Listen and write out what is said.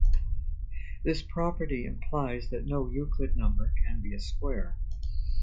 This property implies that no Euclid number can be a square.